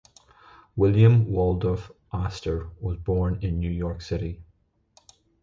William Waldorf Astor was born in New York City.